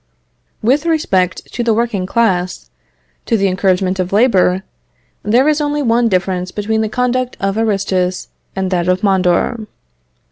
With respect to the working class, to the encouragement of labour, there is only one difference between the conduct of Aristus and that of Mondor.